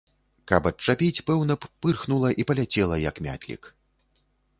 Каб адчапіць, пэўна б, пырхнула і паляцела, як мятлік.